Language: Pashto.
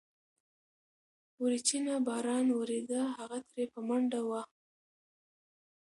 وريچينه باران وريده، هغه ترې په منډه وه.